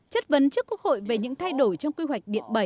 chất vấn trước quốc hội về những thay đổi trong quy hoạch điện bảy